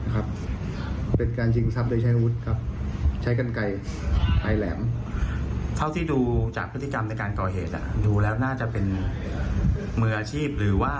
หรือว่าไม่ใช่มืออาชีพครับ